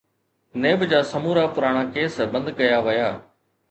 NAB جا سمورا پراڻا ڪيس بند ڪيا ويا.